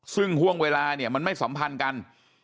ซึ่งห่วงเวลาเนี่ยมันไม่สัมพันธ์กัน